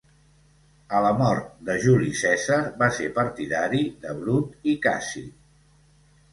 A la mort de Juli Cèsar va ser partidari de Brut i Cassi.